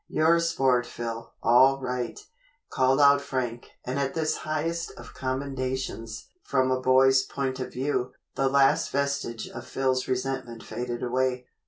"You're a sport, Phil, all right," called out Frank, and at this highest of commendations from a boy's point of view, the last vestige of Phil's resentment faded away.